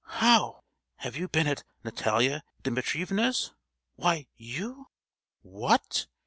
"How! have you been at Natalia Dimitrievna's? Why, you——!" "What!